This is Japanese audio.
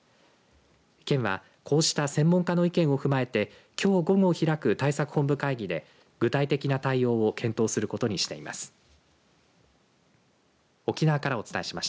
県は、こうした専門家の意見を踏まえてきょう午後開く対策本部会議で具体的な対応を検討することにしています。